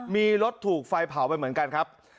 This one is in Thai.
มีรถถูกไฟเผาไปเหมือนกันครับ